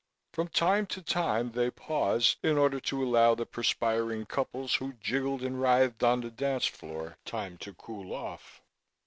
From time to time they paused, in order to allow the perspiring couples who jiggled and writhed on the dancefloor time to cool off.